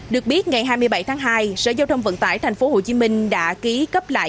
được biết ngày hai mươi bảy tháng hai sở giao thông vận tải thành phố hồ chí minh đã ký cấp lại